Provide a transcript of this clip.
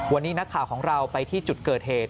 วันนี้นักข่าวของเราไปที่จุดเกิดเหตุ